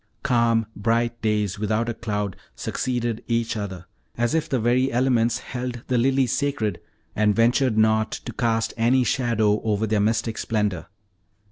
Calm, bright days without a cloud succeeded each other, as if the very elements held the lilies sacred and ventured not to cast any shadow over their mystic splendor.